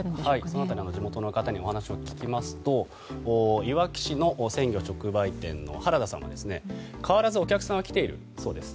その辺り地元の方にお話を聞きますといわき市の鮮魚直売店の原田さんは変わらずお客さんは来ているそうです。